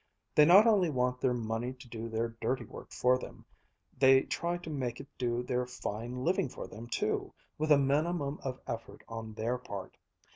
They not only want their money to do their dirty work for them, they try to make it do their fine living for them too, with a minimum of effort on their part.